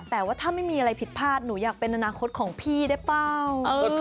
แต่ว่าถ้าไม่มีอะไรผิดพลาดหนูอยากเป็นอนาคตของพี่ได้เปล่า